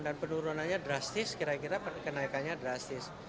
dan penurunannya drastis kira kira kenaikannya drastis